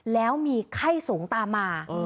แล้วมีไข้สูงตามมา